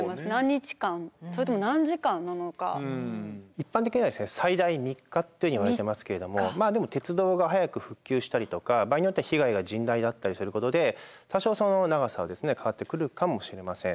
一般的にはですね最大３日というふうにいわれてますけれどもまあでも鉄道が早く復旧したりとか場合によっては被害が甚大だったりすることで多少その長さは変わってくるかもしれません。